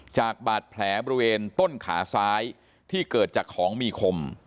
จากบาดแผลบริเวณต้นขาซ้ายที่เกิดจากของมีคม